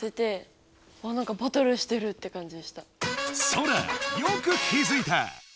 ソラよく気づいた！